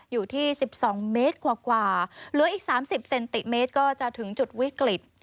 อยู่ที่๑๒เมตรกว่าเหลืออีก๓๐เซนติเมตรก็จะถึงจุดวิกฤต